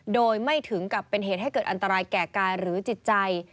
โดยไม่ถึงกับเป็นเหตุให้เกิดอันตรายแก่กายหรือจิตใจ